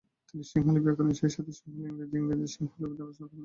তিনি সিংহলি ব্যাকরণ সেইসাথে সিংহলী-ইংরেজি ও ইংরেজি-সিংহলী অভিধান রচনা করেন।